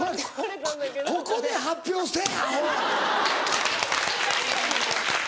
ここで発表せぇアホ！